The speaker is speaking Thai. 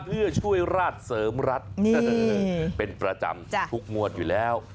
เพื่อช่วยราชเสริมรัฐเป็นประจำทุกงวดอยู่แล้ว